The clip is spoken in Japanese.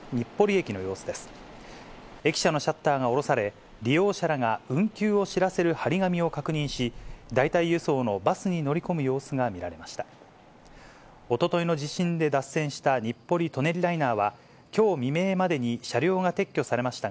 駅舎のシャッターが下ろされ、利用者らが運休を知らせる貼り紙を確認し、代替輸送のバスに乗り込む様子が見られました。